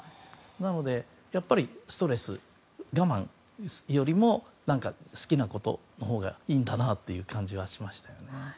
なので、やっぱりストレス我慢よりも好きなことのほうがいいんだなという感じはしました。